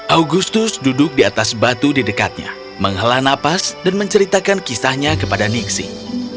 augustus duduk di atas batu di dekatnya menghela nafas dan menceritakan kisahnya kepada nixing